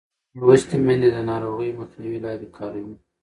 لوستې میندې د ناروغۍ مخنیوي لارې کاروي.